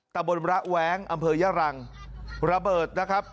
ตะบนระแว้งอำเภอยะรังระเบิดนะครับ